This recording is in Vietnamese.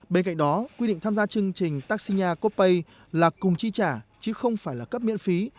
bên cạnh đó quy định tham gia chương trình taxi coppay là cùng chi trả chứ không phải là cấp miễn phí